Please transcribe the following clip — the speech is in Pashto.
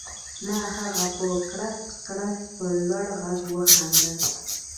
ما ښه په کړس کړس په لوړ غږ وخندل